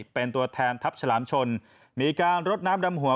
เป็นตัวแทนทัพฉลามชนมีการรดน้ำดำหัว